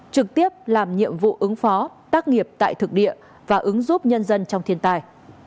trực tiếp làm nhiệm vụ ứng phó tác nghiệp tại thực địa và ứng giúp nhân dân trong thiên tài